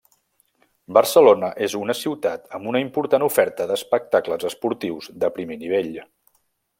Barcelona és una ciutat amb una important oferta d'espectacles esportius de primer nivell.